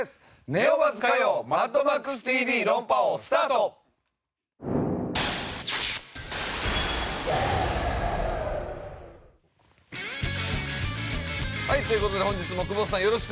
ネオバズ火曜『マッドマックスＴＶ論破王』スタート！という事で本日も久保田さんよろしくお願い致します。